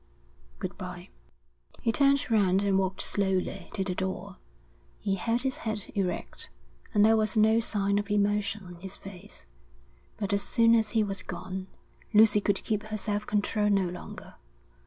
'Good bye.' He turned round and walked slowly to the door. He held his head erect, and there was no sign of emotion on his face. But as soon as he was gone Lucy could keep her self control no longer.